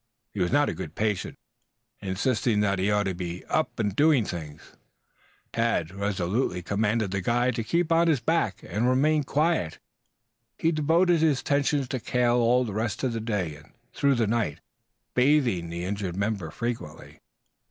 He was not a good patient, insisting that he ought to be up and doing. Tad resolutely commanded the guide to keep on his back and remain quiet. He devoted his attention to Cale all the rest of the day and through the night, bathing the injured member frequently.